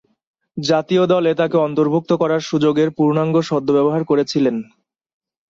জাতীয় দলে তাকে অন্তর্ভুক্ত করার সুযোগের পূর্ণাঙ্গ সদ্ব্যবহার করেছিলেন।